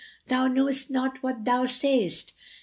Thou knowest not what thou sayest!